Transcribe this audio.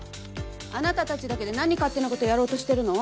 あなたたちだけで何勝手な事やろうとしてるの？